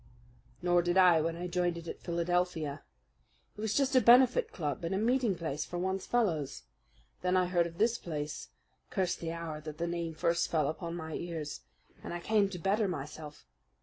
"Nor did I when I joined it at Philadelphia. It was just a benefit club and a meeting place for one's fellows. Then I heard of this place curse the hour that the name first fell upon my ears! and I came to better myself!